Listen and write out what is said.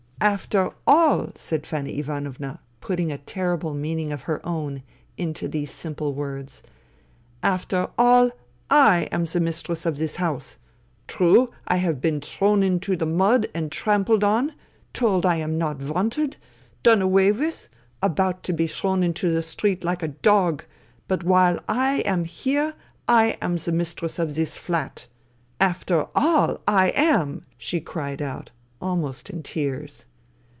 ''After all,'' said Fanny Ivanovna, putting a terrible meaning of her own into these simple words, " after all I am the mistress of this house. True, I have been thrown into the mud and trampled on, told I am not wanted, done away with, about to be thrown into the street like a dog, but while I am here I am the mistress of this flat. After all, I am !" she cried out, almost in tears.